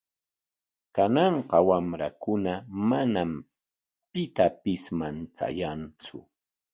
Kananqa wamrakuna manam pitapis manchayantsu.